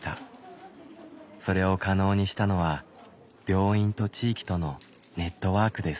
それを可能にしたのは病院と地域とのネットワークです。